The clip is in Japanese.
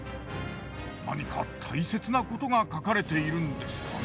何か大切なことが書かれているんですかね？